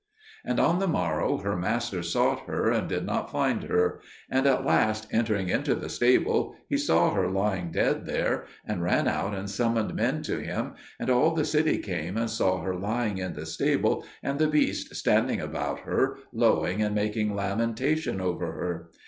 And on the morrow her master sought her, and did not find her; and at last entering into the stable, he saw her lying dead there, and ran out and summoned men to him; and all the city came and saw her lying in the stable, and the beasts standing about her, lowing and making lamentation over her.